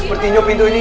sepertinya pintu ini